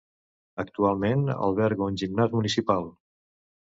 Actualment alberga un gimnàs municipal.